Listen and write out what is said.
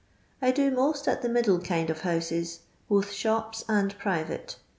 I do most at the middle kind of booses, both shops and private.